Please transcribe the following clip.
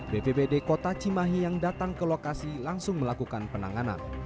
bpbd kota cimahi yang datang ke lokasi langsung melakukan penanganan